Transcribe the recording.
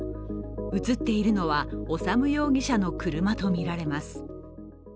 映っているのは修容疑者の車とみられます。